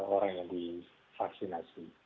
orang yang divaksinasi